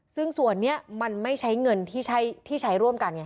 ซึ่งส่วนนี้มันไม่ใช้เงินที่ใช้ร่วมกันไง